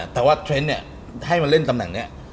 แต่ว่าเทรนด์เนี่ยให้มันเล่นตำนังเนี่ย